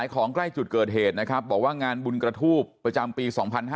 ของใกล้จุดเกิดเหตุนะครับบอกว่างานบุญกระทูบประจำปี๒๕๕๙